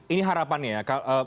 ini harapannya ya